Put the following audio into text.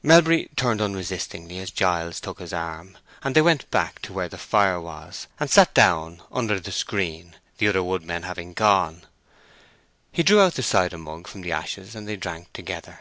Melbury turned unresistingly as Giles took his arm, and they went back to where the fire was, and sat down under the screen, the other woodmen having gone. He drew out the cider mug from the ashes and they drank together.